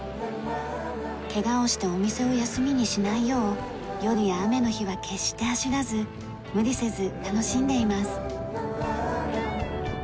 ケガをしてお店を休みにしないよう夜や雨の日は決して走らず無理せず楽しんでいます。